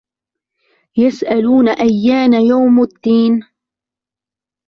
يسألون أيان يوم الدين